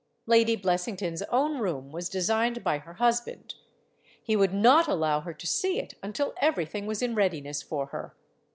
Lady Blessington's own room was designed by her husband. He would not allow her to see it until everything was in readiness for her.